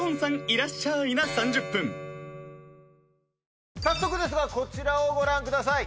いらっしゃい！」な３０分早速ですがこちらをご覧ください